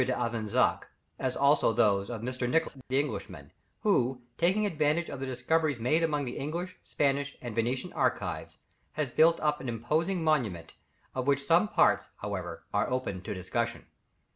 d'Avezac; as also those of Mr. Nicholls the Englishman, who taking advantage of the discoveries made among the English, Spanish, and Venetian archives, has built up an imposing monument, of which some parts, however, are open to discussion.